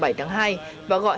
và gọi hẹn gặp lại